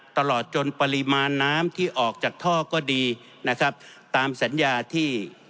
ตลอดจนปริมาณน้ำที่ออกจากท่อก็ดีนะครับตามสัญญาที่